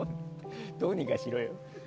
どうにかしろよ。